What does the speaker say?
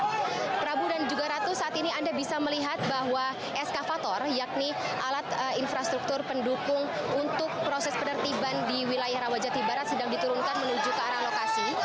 ya prabu dan juga ratu saat ini anda bisa melihat bahwa eskavator yakni alat infrastruktur pendukung untuk proses penertiban di wilayah rawajati barat sedang diturunkan menuju ke arah lokasi